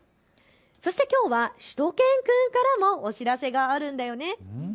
そしてきょうはしゅと犬くんからもお知らせがあるんだよね。